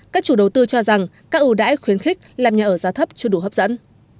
các chủ đầu tư cho rằng các ưu đãi khuyến khích làm nhà ở giá thấp chưa đủ hấp dẫn